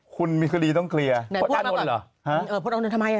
คุณมีคารีต้องเคลียร์